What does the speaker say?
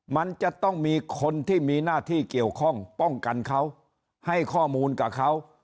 มันจะต้องมีคนที่มีหน้าที่เกี่ยวข้องป้องกันเขาให้ข้อมูลกับเขา